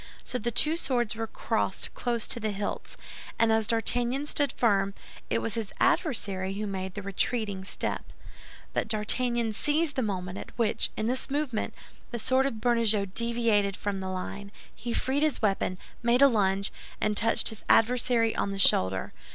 So the two swords were crossed close to the hilts, and as D'Artagnan stood firm, it was his adversary who made the retreating step; but D'Artagnan seized the moment at which, in this movement, the sword of Bernajoux deviated from the line. He freed his weapon, made a lunge, and touched his adversary on the shoulder.